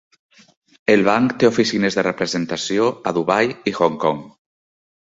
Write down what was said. El banc té oficines de representació a Dubai i Hong Kong.